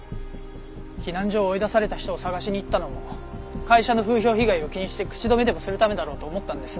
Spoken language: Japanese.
避難所を追い出された人を捜しに行ったのも会社の風評被害を気にして口止めでもするためだろうと思ったんです。